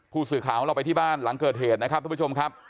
ผู้สื่อข่าวของเราไปที่บ้านหลังเกิดเหตุนะครับทุกผู้ชมครับ